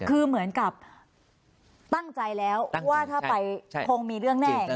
คือเหมือนกับตั้งใจแล้วว่าถ้าไปคงมีเรื่องแน่อย่างนี้หรอ